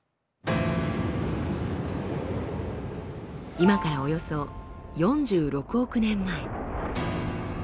今からおよそ４６億年前。